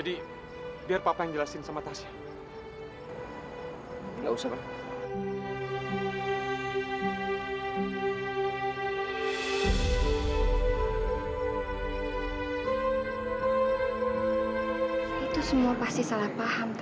dan setiap kali aku ada masalah